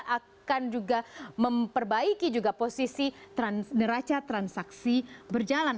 akan juga memperbaiki juga posisi neraca transaksi berjalan